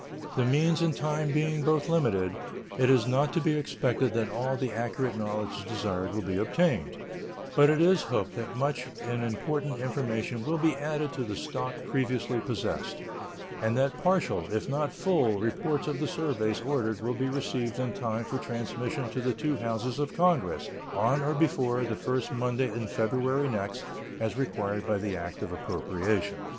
The means and time being both limited, it is not to be expected that all the accurate knowledge desired will be obtained, but it is hoped that much and important information will be added to the stock previously possessed, and that partial, if not full, reports of the surveys ordered will be received in time for transmission to the two Houses of Congress on or before the first Monday in February next, as required by the act of appropriation.